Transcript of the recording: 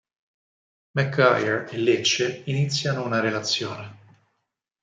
McGuire e Lecce iniziano una relazione.